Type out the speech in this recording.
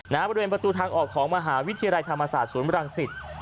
บริเวณประตูทางออกของมหาวิทยาลัยธรรมศาสตร์ศูนย์บรังสิต